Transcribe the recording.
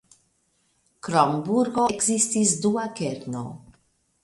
Krom burgo ekzistis dua kerno.